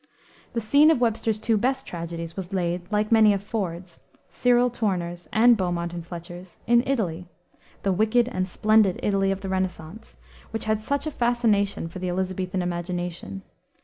The scene of Webster's two best tragedies was laid, like many of Ford's, Cyril Tourneur's, and Beaumont and Fletcher's, in Italy the wicked and splendid Italy of the Renaissance, which had such a fascination for the Elisabethan imagination.